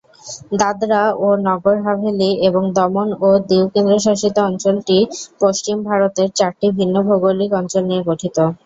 দাদরা ও নগর হাভেলি এবং দমন ও দিউ কেন্দ্রশাসিত অঞ্চলটি পশ্চিম ভারতের চারটি ভিন্ন ভৌগোলিক অঞ্চল নিয়ে গঠিত।